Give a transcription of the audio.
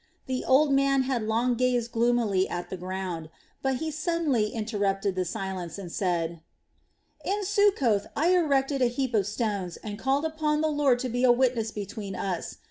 The old man had long gazed gloomily at the ground, but he suddenly interrupted the silence and said: "In Succoth I erected a heap of stones and called upon the Lord to be a witness between us.